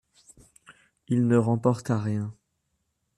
Il ne remporta rien.